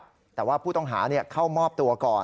เพราะว่าผู้ต้องหาเนี่ยเข้ามอบตัวก่อน